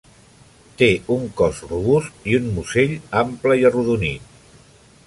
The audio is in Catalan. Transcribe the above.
Té un cos robust i un musell ample i arrodonit.